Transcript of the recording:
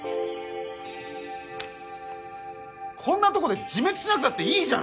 こんなとこで自滅しなくたっていいじゃん。